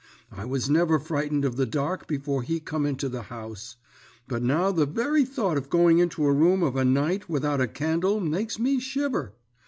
I was never frightened of the dark before he come into the house, but now the very thought of going into a room of a night without a candle makes me shiver.